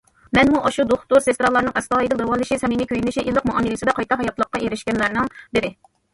مەنمۇ ئاشۇ دوختۇر، سېسترالارنىڭ ئەستايىدىل داۋالىشى، سەمىمىي كۆيۈنۈشى، ئىللىق مۇئامىلىسىدە قايتا ھاياتلىققا ئېرىشكەنلەرنىڭ بىرى.